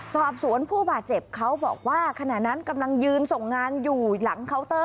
สอบสวนผู้บาดเจ็บเขาบอกว่าขณะนั้นกำลังยืนส่งงานอยู่หลังเคาน์เตอร์